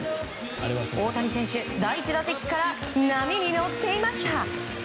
大谷選手、第１打席から波に乗っていました。